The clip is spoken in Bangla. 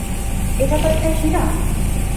এটা তো একটা হীরা!